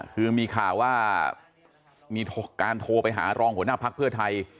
คือมีข่าวว่ามีการโทรไปหารองหัวหน้าภักดิ์เพื่อไทย